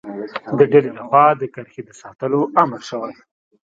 د ډلې له خوا د کرښې د ساتلو امر شوی.